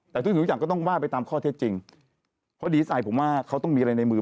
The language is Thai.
แต่ทุกสิ่งทุกอย่างก็ต้องว่าไปตามข้อเท็จจริงเพราะดีเอสไอผมว่าเขาต้องมีอะไรในมือ